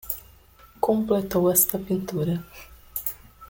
Completou esta pintura